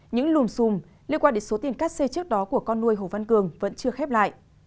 những lùm xùm liên quan đến số tiền cắt xê trước đó của con nuôi hồ văn cường vẫn chưa khép lại